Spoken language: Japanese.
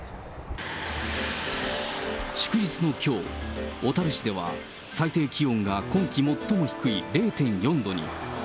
祝日のきょう、小樽市では最低気温が今季最も低い０．４度に。